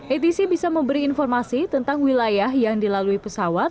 atc bisa memberi informasi tentang wilayah yang dilalui pesawat